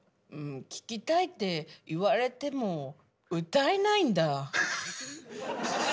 聴きたいって言われても歌えないんだ。